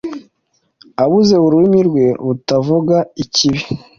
abuze ururimi rwe rutavuga ikibi,